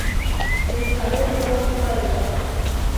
El saber no ocupa lugar